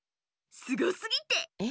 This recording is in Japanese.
すごすぎてえっ？